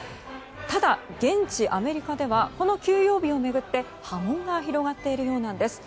ただ、現地アメリカではこの休養日を巡って波紋が広がっているようなんです。